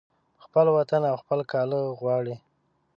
په خپل وطن او خپل کاله غواړي